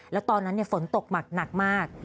แล้วตอนนั้นฝนตกหนักมาก